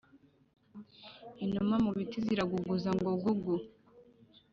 Inuma mu biti ziraguguza ngo gugu